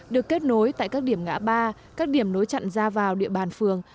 được kết nối tại các điểm ngã ba các điểm nối chặn ra vào địa bàn phường